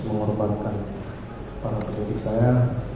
mengorbankan para politik saya